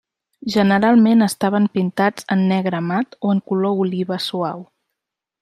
Generalment estaven pintats en negre mat o en color oliva suau.